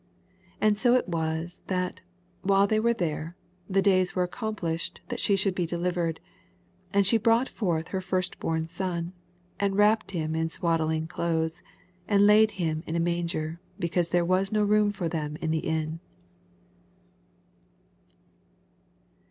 6 And Eo it was, that, while they were there, the davs were aooomplish ed that she shoold be delivered. 7 And she brought forth her first born son, and wraoped him in swad dling clothes, ana laid him in a manger ; because tiiere was no room for tnem in the inn.